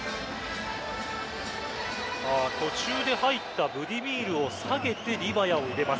途中で入ったブディミールを下げてリヴァヤを入れます。